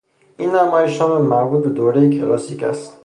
این نمایشنامه مربوط به دورهی کلاسیک است.